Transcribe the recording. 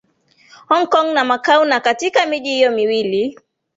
Hongkong na Macau na Katika miji hiyo miwili